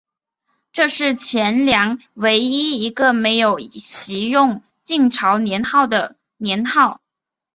这是前凉唯一一个没有袭用晋朝年号的年号。